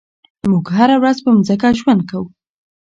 موږ هره ورځ پر ځمکه ژوند کوو.